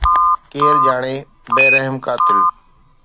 ڪير ڄاڻي، بي رحم قاتل